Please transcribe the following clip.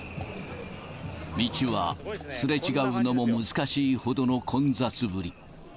道はすれ違うのも難しいほどの混雑ぶり。